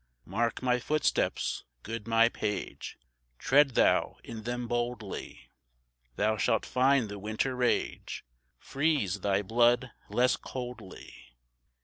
"Mark my footsteps, good my page; Tread thou in them boldly: Thou shalt find the winter rage Freeze thy blood less coldly."